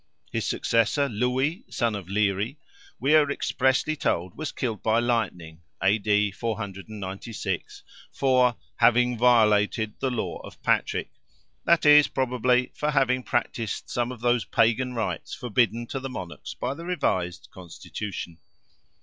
His successor, LEWY, son of Leary, we are expressly told was killed by lightning (A.D. 496), for "having violated the law of Patrick"—that is, probably, for having practised some of those Pagan rites forbidden to the monarchs by the revised constitution.